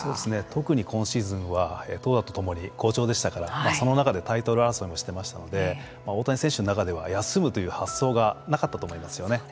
特に今シーズンは投打共もに好調でしたからその中でタイトル争いもしていましたので大谷選手の中では休むという発想がなかったと思いますよね。